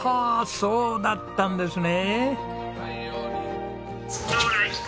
そうだったんですね。